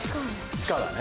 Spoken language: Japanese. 地下だね。